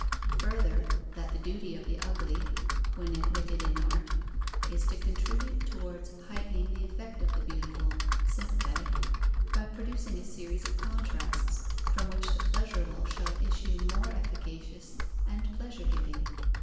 Further, that the duty of the ugly, when admitted in art, is to contribute towards heightening the effect of the beautiful (sympathetic), by producing a series of contrasts, from which the pleasurable shall issue more efficacious and pleasure giving.